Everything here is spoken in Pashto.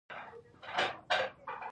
که موږ د حقوقو د ساتنې دنده لرو.